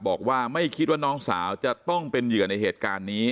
บอกว่าไม่คิดว่าน้องสาวจะต้องเป็นเหยื่อในเหตุการณ์นี้